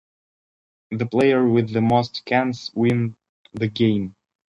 The player with the most cans win the game.